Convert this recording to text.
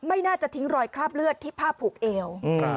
ไม่น่าจะทิ้งรอยคราบเลือดที่ผ้าผูกเอว